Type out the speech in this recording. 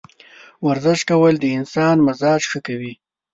ورزش کول د انسان مزاج ښه کوي.